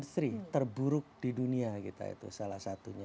bottom tiga terburuk di dunia kita itu salah satunya